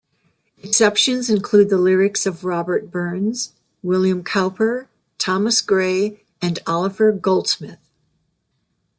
Exceptions include the lyrics of Robert Burns, William Cowper, Thomas Gray, and Oliver Goldsmith.